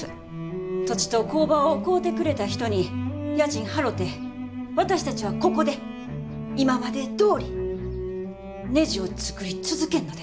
土地と工場を買うてくれた人に家賃払て私たちはここで今までどおりねじを作り続けんのです。